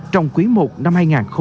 vào năm hai nghìn hai mươi một